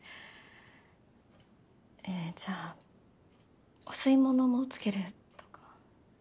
えじゃあお吸い物もつけるとか。